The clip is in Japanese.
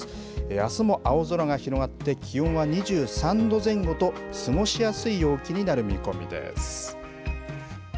あすも青空が広がって、気温は２３度前後と、過ごしやすい陽気になる見込みです。